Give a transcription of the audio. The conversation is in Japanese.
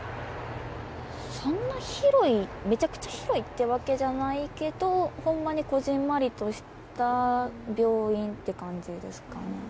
そんな広い、めちゃくちゃ広いってわけじゃないけど、ほんまにこぢんまりとした病院って感じですかね。